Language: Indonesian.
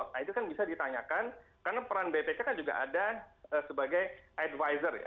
nah itu kan bisa ditanyakan karena peran bpk kan juga ada sebagai advisor ya